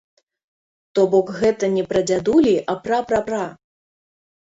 То бок гэта не прадзядулі, а пра-пра-пра.